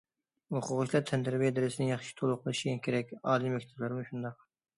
ئوقۇغۇچىلار تەنتەربىيە دەرسىنى ياخشى تولۇقلىشى كېرەك، ئالىي مەكتەپلەرمۇ شۇنداق.